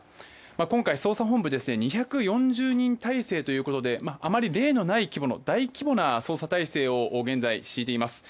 今回、捜査本部は２４０人態勢ということであまり例のない規模の大規模な捜査態勢を現在敷いています。